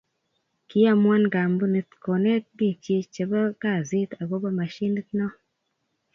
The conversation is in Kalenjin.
kiamuan kampunii konet biiknyin chebo kazit akopo mashinit noo